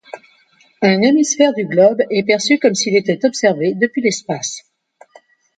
Un hémisphère du globe est perçu comme s'il était observé depuis l'espace.